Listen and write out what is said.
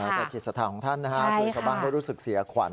ในการปฏิกิจศาสตร์ของท่านนะครับคุณชาวบ้านก็รู้สึกเสียขวัญ